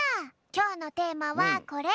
きょうのテーマはこれ！